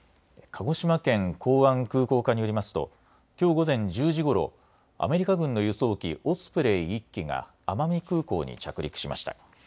鹿児島県港湾空港課によりますときょう午前１０時ごろアメリカ軍の輸送機オスプレイ１機が奄美空港に着陸しました。